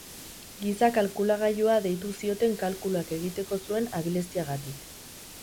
Giza kalkulagailua deitu zioten kalkuluak egiteko zuen abileziagatik.